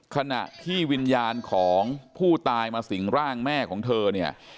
ขณะที่วิญญาณของผู้ตายมาสิงร่างแม่ของเธอเนี่ย